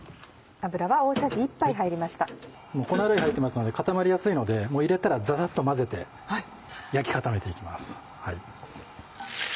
粉類入ってますので固まりやすいので入れたらザザっと混ぜて焼き固めていきます。